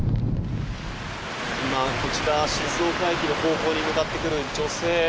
こちら、静岡駅の方向に向かってくる女性。